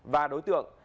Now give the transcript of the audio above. và đối tượng